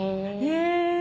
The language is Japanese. へえ！